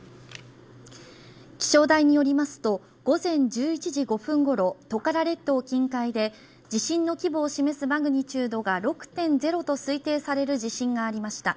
気象台によりますと午前１１時５分ごろトカラ列島近海で地震の規模を示すマグニチュードが６．０と推定される地震がありました